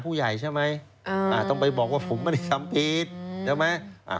ผู้ใหญ่ใช่ไหมอ่าอ่าต้องไปบอกว่าผมไม่ได้ทำผิดใช่ไหมอ่า